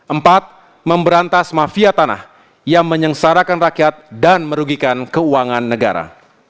empat memberantas mafia tanah yang menyengsarakan rakyat dan merugikan keuangan negara